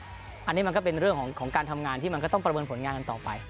อันนี้มันก็เป็นเรื่องของการทำงานที่มันก็ต้องประเมินผลงานกันต่อไป